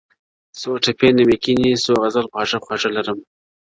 څوټپې نمکیني څو غزل خواږه خواږه لرم،